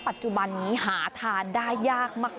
ปัจจุบันนี้หาทานได้ยากมาก